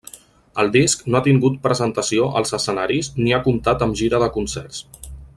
El disc no ha tingut presentació als escenaris ni ha comptat amb gira de concerts.